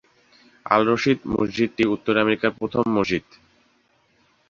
আল-রশিদ মসজিদটি উত্তর আমেরিকার প্রথম মসজিদ।